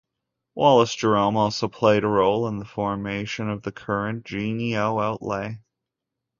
Wallace Jerome also played a role in the formation of the current Jennie-O outlay.